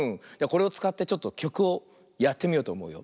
これをつかってちょっときょくをやってみようとおもうよ。